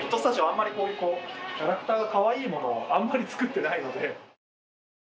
あんまりこういうキャラクターがカワイイものをあんまり作ってないので。